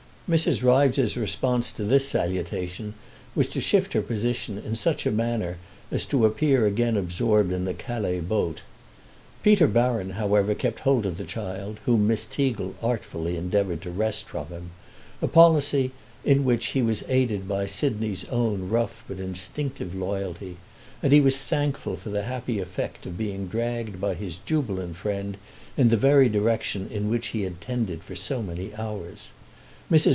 Mrs. Ryves's response to this salutation was to shift her position in such a manner as to appear again absorbed in the Calais boat. Peter Baron, however, kept hold of the child, whom Miss Teagle artfully endeavoured to wrest from him—a policy in which he was aided by Sidney's own rough but instinctive loyalty; and he was thankful for the happy effect of being dragged by his jubilant friend in the very direction in which he had tended for so many hours. Mrs.